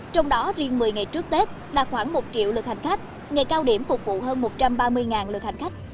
trong đó riêng một mươi ngày trước tết đạt khoảng một triệu lượt hành khách ngày cao điểm phục vụ hơn một trăm ba mươi lượt hành khách